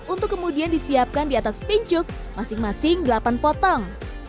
untuk kemudian disiapkan di atas pincuk masing masing delapan potong